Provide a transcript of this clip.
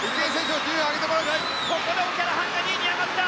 ここでオキャラハンが２位に上がった。